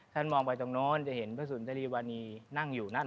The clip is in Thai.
มองไปตรงโน้นจะเห็นพระสุนจรีวานีนั่งอยู่นั่น